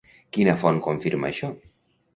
Quina font confirma això?